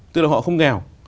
tức là họ không nghèo